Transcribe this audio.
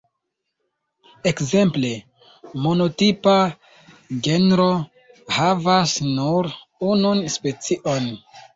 Ekzemple, monotipa genro havas nur unun specion.